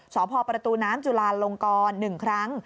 สพประตูน้ำจุลาลงกร๑ครั้ง